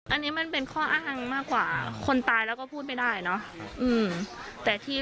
อันนี้มันเป็นข้ออ้างมากกว่าคนตายแล้วก็พูดไม่ได้เนอะ